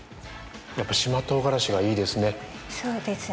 やっぱり島とうがらしがいいですね。